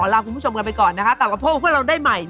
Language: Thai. แล้วก็ทำเป็นไม่สนใจ